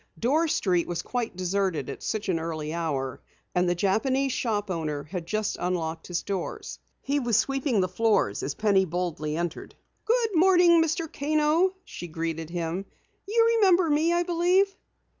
Dorr Street was quite deserted at such an early hour, and the Japanese shop owner had just unlocked his doors. He was sweeping the floor as Penny boldly entered. "Good morning, Mr. Kano," she greeted him. "You remember me, I believe?"